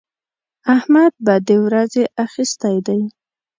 احمد بدې ورځې اخيستی دی.